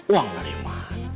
uang dari mana